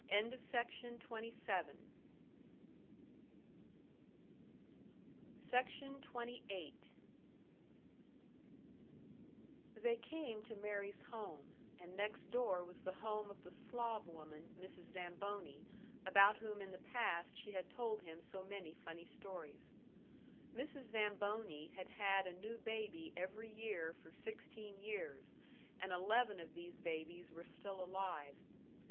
SECTION 28. They came to Mary's home; and next door was the home of the Slav woman, Mrs. Zamboni, about whom in the past she had told him so many funny stories. Mrs. Zamboni had had a new baby every year for sixteen years, and eleven of these babies were still alive.